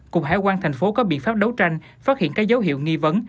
cục hải quan thành phố có biện pháp đấu tranh phát hiện các dấu hiệu nghi vấn